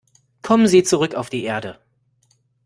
Kommen Sie zurück auf die Erde.